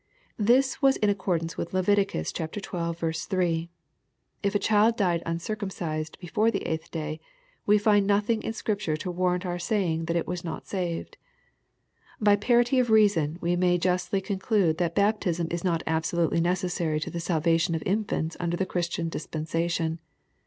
] This was in accordance with Leviticus xii. 3. If a child died uncircumcised before the eighth day, we find nothing in Scripture to warrant our saying that it was not saved. By parity of reason we may justly conclude that baptism is not absolutely necessary to the salvation of infants under the Chris tian dispensation.